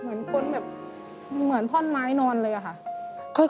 เหมือนคนแบบเหมือนท่อนไม้นอนเลยอะค่ะ